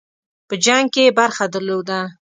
په جنګ کې یې برخه درلوده.